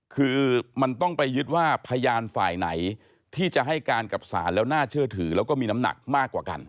คือมันต้องไปยึดว่าพยานฝ่ายไหนที่จะให้การกับศาลแล้วน่าเชื่อถือแล้วก็มีน้ำหนักมากกว่ากัน